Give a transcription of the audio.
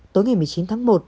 tối ngày một mươi chín tháng một